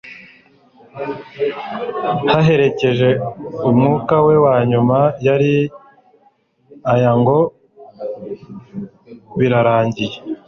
yaherekeje umwuka we wa nyuma yari aya ngo: «Birarangiye.'»